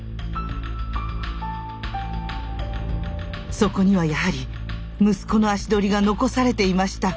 そこにはやはり息子の足取りが残されていました。